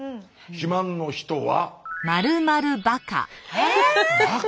肥満の人は。